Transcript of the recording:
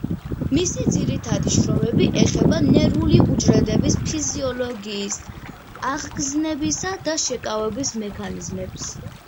მისი ძირითადი შრომები ეხება ნერვული უჯრედების ფიზიოლოგიის, აღგზნებისა და შეკავების მექანიზმებს.